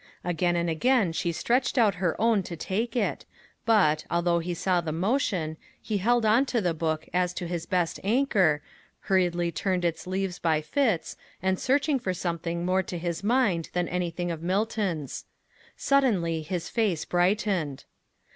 Again and again she stretched out her own to take it, but, although he saw the motion, he held on to the book as to his best anchor, hurriedly turned its leaves by fits and searching for something more to his mind than anything of Milton's. Suddenly his face brightened.